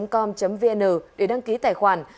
com vn để đăng ký tài khoản